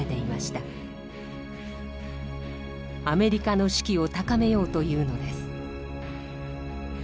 アメリカの士気を高めようというのです。